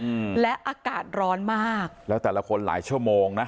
อืมและอากาศร้อนมากแล้วแต่ละคนหลายชั่วโมงนะ